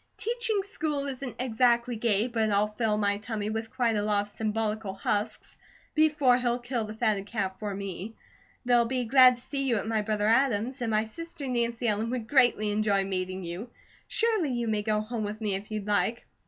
Teaching school isn't exactly gay, but I'll fill my tummy with quite a lot of symbolical husks before he'll kill the fatted calf for me. They'll be glad to see you at my brother Adam's, and my sister, Nancy Ellen, would greatly enjoy meeting you. Surely you may go home with me, if you'd like."